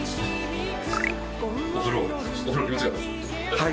はい。